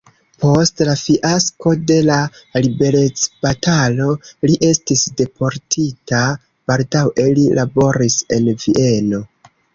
Post la fiasko de la liberecbatalo li estis deportita, baldaŭe li laboris en Vieno.